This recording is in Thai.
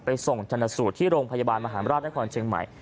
ไปส่งจรรย์สูตรที่โรงพยาบาลมหารราชนักฐานเชียงใหม่